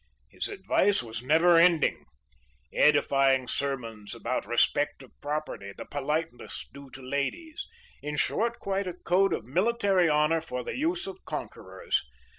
His advice was never ending; edifying sermons about respect of property, the politeness due to ladies,—in short, quite a code of military honor for the use of conquerors.